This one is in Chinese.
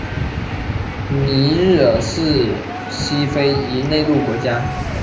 尼日尔是西非一内陆国家。